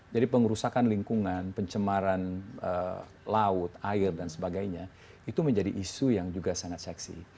jadi pengerusakan lingkungan pencemaran laut air dan sebagainya itu menjadi isu yang juga sangat seksi